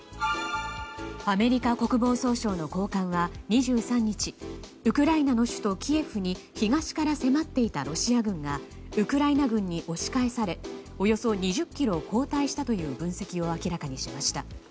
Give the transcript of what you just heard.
アメリカ国防総省の高官は２３日ウクライナの首都キエフに東から迫っていたロシア軍がウクライナ軍に押し返されおよそ２０ｋｍ後退したという分析を明らかにしました。